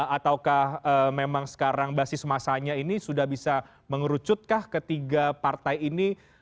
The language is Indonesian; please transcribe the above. ataukah memang sekarang basis masanya ini sudah bisa mengerucutkah ketiga partai ini